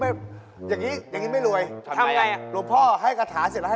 เผ็บจะรวยจะได้เริ่มเป็นลูกจ้างเจ๊